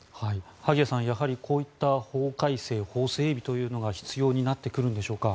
萩谷さん、やはりこういった法改正法整備というのが必要になってくるんでしょうか。